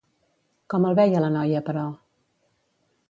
Com el veia la noia, però?